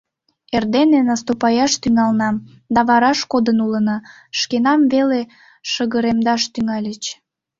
Эрдене наступаяш тӱҥална, да вараш кодын улына, шкенам веле шыгыремдаш тӱҥальыч.